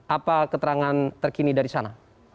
apa keterangan terkini dari sana